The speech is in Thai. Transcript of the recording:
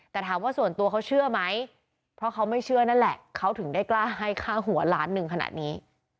แต่ถามว่าส่วนตัวเขาเชื่อไหมเพราะเขาไม่เชื่อนั่นแหละเขาถึงได้กล้าให้ค่าหัวล้านหนึ่งขนาดนี้